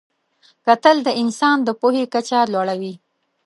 کتل د انسان د پوهې کچه لوړوي